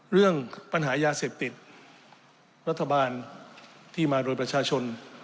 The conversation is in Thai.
เรื่องปัญหายาเสพติดรัฐบาลที่มาโดยประชาชน